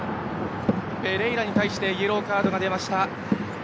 ペレイラに対してイエローカードが出ました。